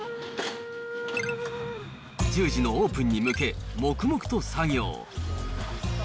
１０時のオープンに向け、黙々と作業。